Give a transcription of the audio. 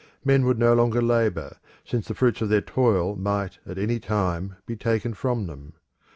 Men would no longer labour, since the fruits of their toil might at any time be taken from them.